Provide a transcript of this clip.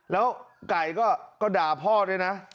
แล้วไก่ก็ด่าพ่อด้วยนะ